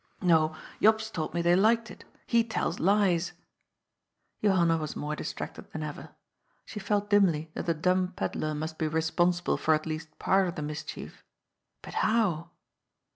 No, Jops told me they liked it. He tells lies." Johanna was more distracted than ever. She felt dimly that the dumb pedlar must be responsible for at least part of the mischief. But how